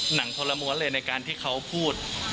หนังทรมานเลยในการที่เขาพูด